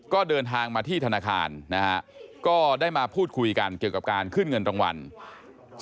ก็เดินทางมาที่ธนาคารนะฮะก็ได้มาพูดคุยกันเกี่ยวกับการขึ้นเงินรางวัล